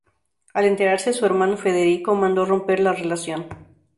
Al enterarse su hermano Federico, mandó romper la relación.